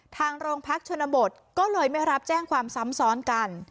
ทางโรงพักชนบทก็เลยไม่รับแจ้งความซ้ำซ้อนกัน